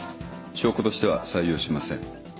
証拠としては採用しません。